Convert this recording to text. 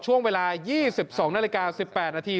ช่วงเวลา๒๒นาฬิกา๑๘นาที